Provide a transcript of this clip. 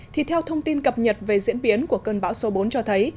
thì theo thông tin cập nhật về diễn biến của cơn bão số bốn cho thấy